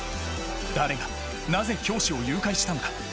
誰がなぜ教師を誘拐したのか。